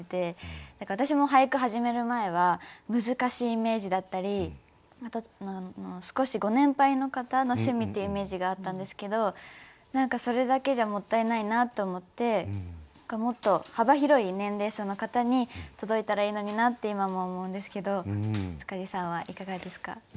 私も俳句始める前は難しいイメージだったりあと少しご年配の方の趣味っていうイメージがあったんですけど何かそれだけじゃもったいないなって思ってもっと幅広い年齢層の方に届いたらいいのになって今も思うんですけど塚地さんはいかがですか？